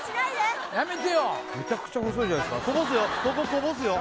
めちゃくちゃ細いじゃないすかこぼすよ